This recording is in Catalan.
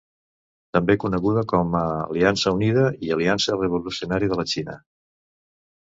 També coneguda com a Aliança Unida i Aliança Revolucionària de la Xina.